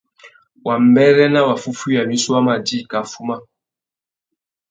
Wambêrê na waffúffüiya wissú wa ma djï kā fuma.